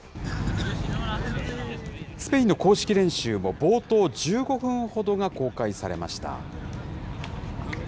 スペインの公式練習も、冒頭１５分ほどが公開されました。